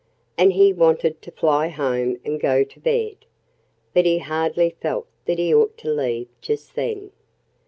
And he wanted to fly home and go to bed. But he hardly felt that he ought to leave just then.